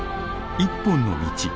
「一本の道」。